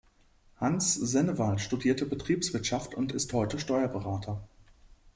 Hans Sennewald studierte Betriebswirtschaft und ist heute Steuerberater.